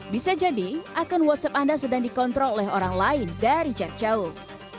bisa jadi akun whatsapp anda sedang dikontrol oleh orang lain dari jarak jauh